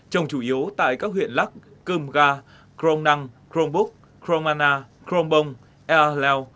trồng chủ yếu tại các huyện lắk cơm ga crong năng crong búc crong mana crong bông ea lèo